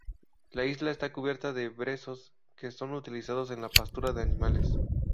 La isla está cubierta de brezos, que son utilizados en la pastura de animales.